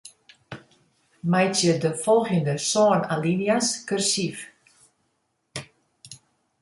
Meitsje de folgjende sân alinea's kursyf.